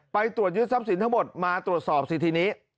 ไปตรวจยึดทรัพย์สินทั้งหมดมาตรวจสอบสิทีนี้